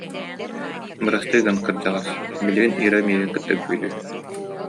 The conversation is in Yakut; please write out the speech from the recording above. Бырастыы гын, кырдьаҕас, билигин Ира миигин кытта үҥкүүлүүр